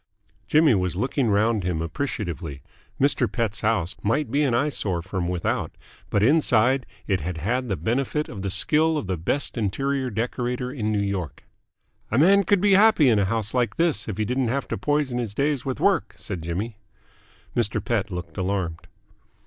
Jimmy was looking round him appreciatively. Mr. Pett's house might be an eyesore from without, but inside it had had the benefit of the skill of the best interior decorator in New York. "A man could be very happy in a house like this, if he didn't have to poison his days with work," said Jimmy. Mr. Pett looked alarmed.